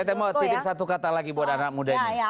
saya mau tidip satu kata lagi buat anak mudanya